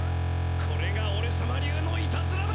これがおれさま流のいたずらだ！